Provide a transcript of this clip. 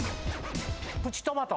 プチトマト。